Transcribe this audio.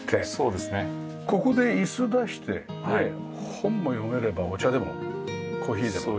ここで椅子出してね本も読めればお茶でもコーヒーでもね。